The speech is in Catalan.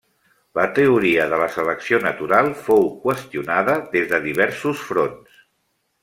La teoria de la selecció natural fou qüestionada des de diversos fronts.